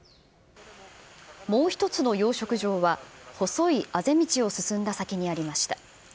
もう１つの養殖場は、細いあぜ道を進んだ先にありました。